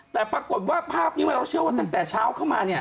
แต่ปรากฏว่าภาพนี้เราเชื่อว่าตั้งแต่เช้าเข้ามาเนี่ย